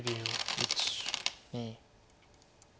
１２。